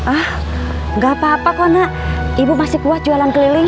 ah nggak apa apa kok nak ibu masih kuat jualan keliling